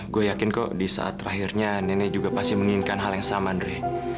gue yakin kok di saat terakhirnya nenek juga pasti menginginkan hal yang sama andre